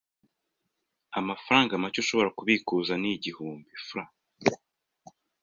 Amafaranga make ushobora kubikuza ni igihumbi Frw